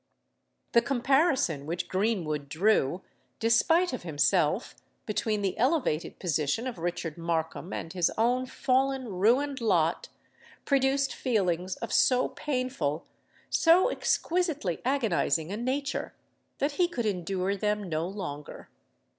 The comparison which Greenwood drew—despite of himself—between the elevated position of Richard Markham and his own fallen, ruined lot, produced feelings of so painful—so exquisitely agonising a nature, that he could endure them no longer.